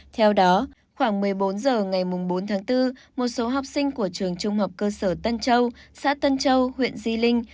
theo đó khoảng một mươi bốn h ngày bốn tháng bốn một số học sinh của trường trung học cơ sở tân châu xã tân châu huyện di linh